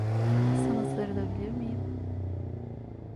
Sana sarılabilir miyim?